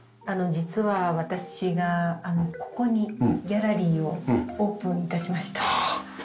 実は私がここにギャラリーをオープン致しました。